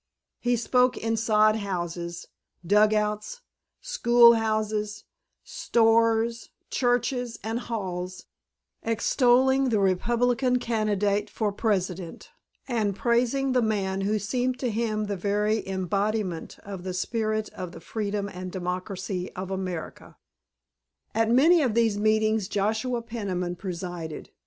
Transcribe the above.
He spoke in sod houses, dugouts, schoolhouses, stores, churches, and halls, extolling the Republican candidate for President, and praising the man who seemed to him the very embodiment of the spirit of the freedom and democracy of America. At many of these meetings Joshua Peniman presided.